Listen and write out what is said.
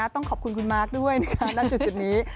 ต้องขอบคุณคุณมาร์คด้วยนะคะณจุดนี้